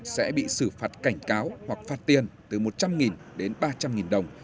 sẽ bị xử phạt cảnh cáo hoặc phạt tiền từ một trăm linh đến ba trăm linh đồng